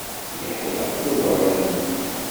Yeḥdeq d uberranni.